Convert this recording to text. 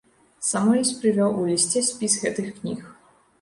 Самуэльс прывёў у лісце спіс гэтых кніг.